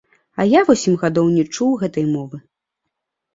А я восем гадоў не чуў гэтай мовы.